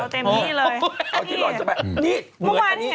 เอาเต็มที่เลย